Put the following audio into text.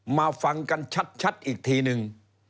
มาฟังกันชัดอีกทีนึง